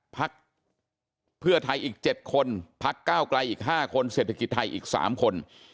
พักเพื่อไทยอีก๗คนพักก้าวไกลอีก๕คนเศรษฐกิจไทยอีก๓คน